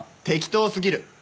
適当すぎる。